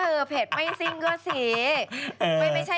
พูดเพจซิ่งกว่าซี